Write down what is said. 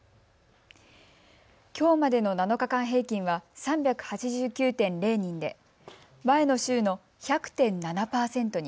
きょうまでの７日間平均は３８９．０人で前の週の１００．７％に。